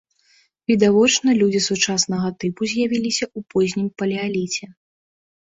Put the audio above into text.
Відавочна, людзі сучаснага тыпу з'явіліся ў познім палеаліце.